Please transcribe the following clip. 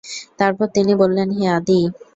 তারপর তিনি বললেন, হে আদী!